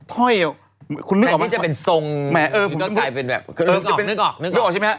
ห้อยคุณนึกออกไหม